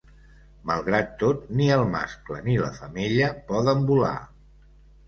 Malgrat tot, ni el mascle ni la femella poden volar.